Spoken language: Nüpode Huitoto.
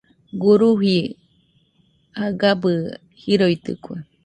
Guruji jaigabɨ jiroitɨkue.